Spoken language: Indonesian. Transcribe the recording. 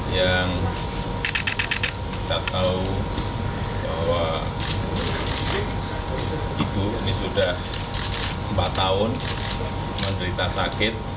yang kita tahu bahwa ibu ini sudah empat tahun menderita sakit